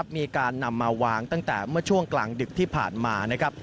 มีการนำมาวางตั้งแต่เมื่อช่วงกลางดึกที่ผ่านมานะครับ